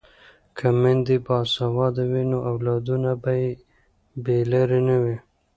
که میندې باسواده وي نو اولادونه به یې بې لارې نه وي.